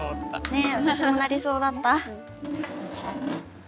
ね私も鳴りそうだった。